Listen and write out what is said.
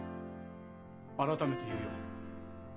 改めて言うよ。